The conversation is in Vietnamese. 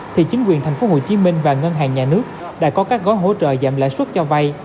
thì chính quyền thành phố hồ chí minh và ngân hàng nhà nước đã có các gói hỗ trợ giảm lãi suất cho vay